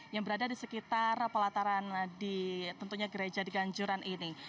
yang berada di sekitar pelataran di tentunya gereja di ganjuran ini